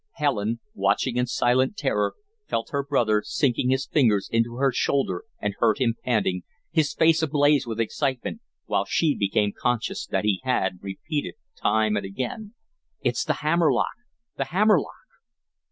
Helen, watching in silent terror, felt her brother sinking his fingers into her shoulder and heard him panting, his face ablaze with excitement, while she became conscious that he had repeated time and again: "It's the hammer lock the hammer lock."